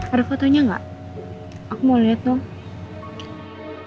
ada fotonya gak aku mau liat tuh